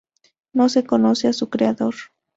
No se conoce a su creador.